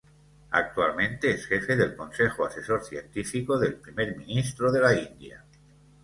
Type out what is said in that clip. Actualmente es Jefe del Consejo Asesor Científico del Primer Ministro de la India.